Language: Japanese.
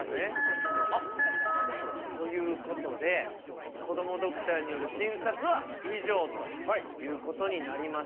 あっ！ということでこどもドクターによる診察は以上ということになりました。